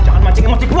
jangan mancing emosi gua